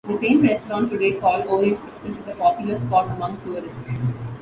The same restaurant, today called "Orient Express", is a popular spot among tourists.